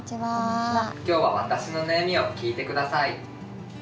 今日は私の悩みを聞いて下さい。